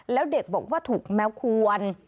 แล้วเด็กบอกว่าถูกแมวควร